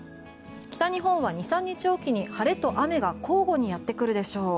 北日本は２３日おきに晴れと雨が交互にやってくるでしょう。